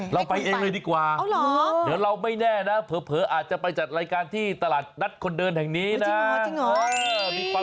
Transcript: เราไปเองล่ะดีกว่าเราไม่แน่นะเผอร์จะจัดรายการที่ตลาดนัดคนเดินแห่งนี้นะ